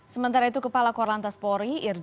sementara itu kepala korlantas polri irjen